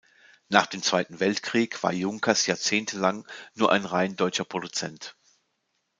Nach dem Zweiten Weltkrieg war Junkers jahrzehntelang nur ein rein deutscher Produzent.